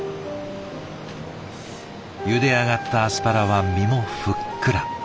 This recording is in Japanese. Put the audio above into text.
ゆで上がったアスパラは身もふっくら。